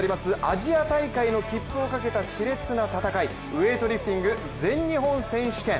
アジア大会への切符をかけたしれつな戦い、ウエイトリフティング全日本選手権。